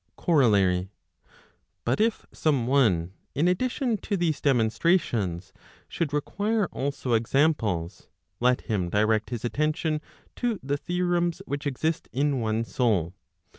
COROLLARY. But if some one, in addition to these demonstrations, should require also examples, let him direct his attention to the theorems which exist in one soul.